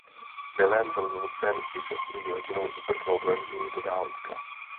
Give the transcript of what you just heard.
Vilém byl nucen i se svojí rodinou uprchnout do exilu do Dánska.